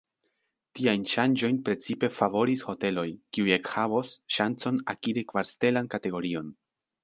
Tiajn ŝanĝojn precipe favoris hoteloj, kiuj ekhavos ŝancon akiri kvarstelan kategorion.